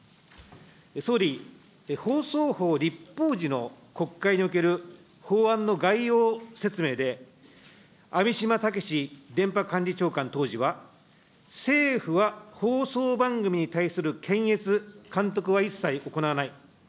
総理、放送法立法時の国会における法案の概要説明で、あみしまたけし電波管理長官当時は、政府は放送番組に対する検閲、監督は一切行わない。